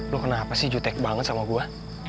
loh kenapa sih jutek banget sama gue